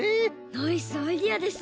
ナイスアイデアですね。